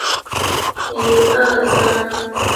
仅由其族人墓志可知其郡望为高阳郡齐氏。